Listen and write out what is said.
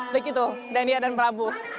begitu dania dan prabu